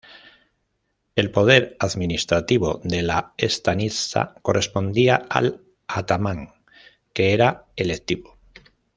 El poder administrativo de la "stanitsa" correspondía al atamán, que era electivo.